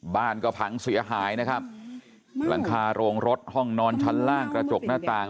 บ้านก็พังเสียหายนะครับหลังคาโรงรถห้องนอนชั้นล่างกระจกหน้าต่าง